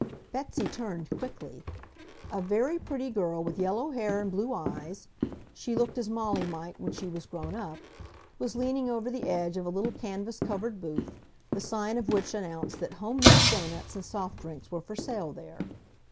Betsy turned quickly. A very pretty girl with yellow hair and blue eyes (she looked as Molly might when she was grown up) was leaning over the edge of a little canvas covered booth, the sign of which announced that home made doughnuts and soft drinks were for sale there.